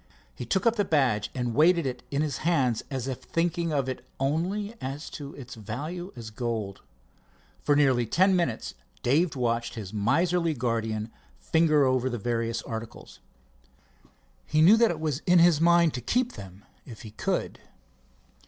He took up the badge and weighted it in his hands as if thinking of it only as to its value as gold. For nearly ten minutes Dave watched his miserly guardian finger over the various articles. He knew that it was in his mind to keep them if he could.